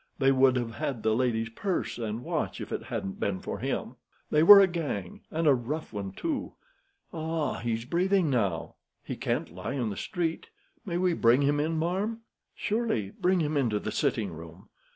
"They would have had the lady's purse and watch if it hadn't been for him. They were a gang, and a rough one, too. Ah! he's breathing now." "He can't lie in the street. May we bring him in, marm?" "Surely. Bring him into the sitting room.